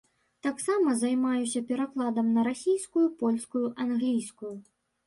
Таксама займаюся перакладамі на расійскую, польскую, англійскую.